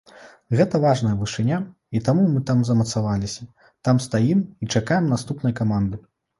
Гэта важная вышыня, і таму мы там замацаваліся, там стаім і чакаем наступнай каманды.